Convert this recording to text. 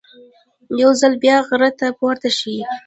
یو ځل بیا غره ته پورته شي.